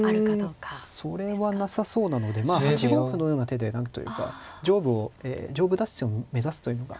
うんそれはなさそうなのでまあ８五歩のような手で何というか上部をえ上部脱出を目指すというのが。